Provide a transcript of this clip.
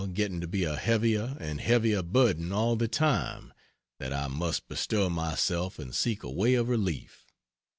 getting to be a heavier and heavier burden all the time, that I must bestir myself and seek a way of relief.